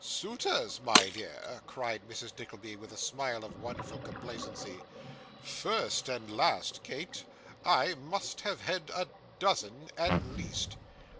'Suitors, my dear!' cried Mrs. Nickleby, with a smile of wonderful complacency. 'First and last, Kate, I must have had a dozen at least.